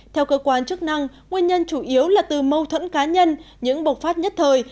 theo cơ quan chức năng nguyên nhân chủ yếu là từ mâu thuẫn cá nhân những bộc phát nhất thời